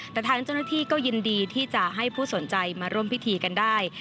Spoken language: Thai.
แต่ทางเจ้าหน้าที่ก็ยินดีที่จะให้ผู้สนใจมาร่วมพิธีกันได้